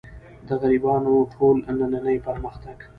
د غربیانو ټول نننۍ پرمختګ.